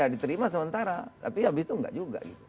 diterima sementara tapi ya abis itu nggak juga